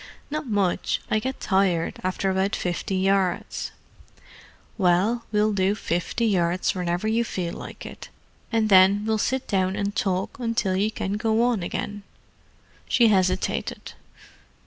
"Not much. I get tired after about fifty yards." "Well, we'll do fifty yards whenever you feel like it, and then we'll sit down and talk until you can go on again." She hesitated.